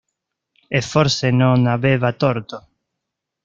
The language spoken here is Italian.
E forse non aveva torto.